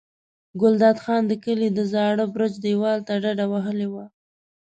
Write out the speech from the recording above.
ګلداد خان د کلي د زاړه برج دېوال ته ډډه وهلې وه.